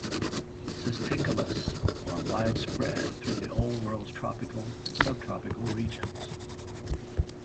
Cisticolas are widespread through the Old World's tropical and sub-tropical regions.